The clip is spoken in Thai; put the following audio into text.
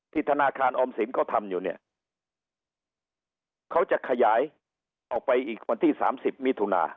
ธนาคารออมสินเขาทำอยู่เนี่ยเขาจะขยายออกไปอีกวันที่สามสิบมิถุนา